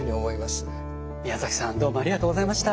宮崎さんどうもありがとうございました。